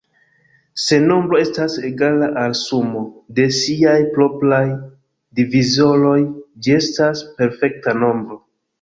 Se nombro estas egala al sumo de siaj propraj divizoroj, ĝi estas perfekta nombro.